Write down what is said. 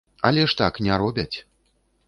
Але ж так не робяць.